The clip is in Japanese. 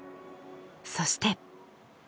そして。